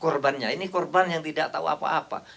korbannya ini korban yang tidak tahu apa apa